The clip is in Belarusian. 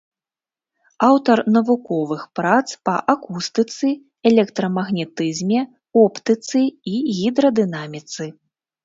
Аўтар навуковых прац па акустыцы, электрамагнетызме, оптыцы і гідрадынаміцы.